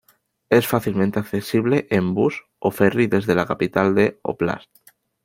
Es fácilmente accesible en bus o ferry desde la capital del "óblast".